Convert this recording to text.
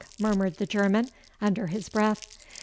murmured the German, under his breath.